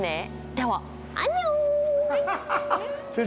では、アンニョン！